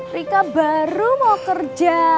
rika baru mau kerja